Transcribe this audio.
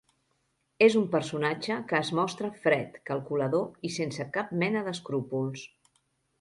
És un personatge que es mostra fred, calculador i sense cap mena d'escrúpols.